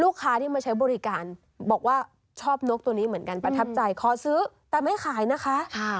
ที่มาใช้บริการบอกว่าชอบนกตัวนี้เหมือนกันประทับใจขอซื้อแต่ไม่ขายนะคะ